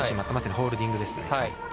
ホールディングですね。